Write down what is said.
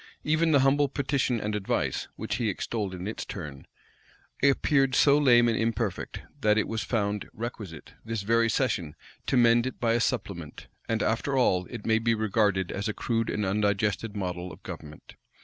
Even the humble petition and advice, which he extolled in its turn, appeared so lame and imperfect, that it was found requisite, this very session, to mend it by a supplement; and after all, it may be regarded as a crude and undigested model of government.